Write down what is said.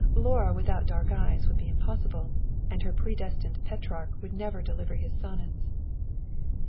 Laura without dark eyes would be impossible, and her predestined Petrarch would never deliver his sonnets.